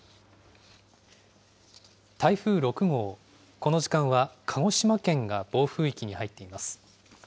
台風６号、この時間は鹿児島県が暴風域に入っています。